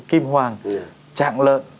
kim hoàng trạng lợn